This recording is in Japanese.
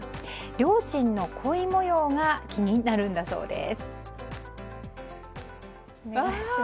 両親の恋模様が気になるんだそうです。